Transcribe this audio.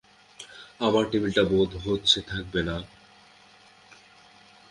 আমার টেবিলটা বোধ হচ্ছে থাকবে না।